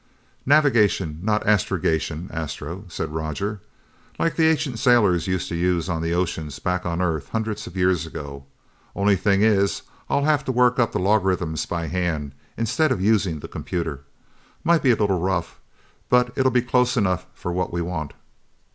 "Navigation, not astrogation, Astro," said Roger. "Like the ancient sailors used on the oceans back on Earth hundreds of years ago. Only thing is, I'll have to work up the logarithms by hand, instead of using the computer. Might be a little rough, but it'll be close enough for what we want."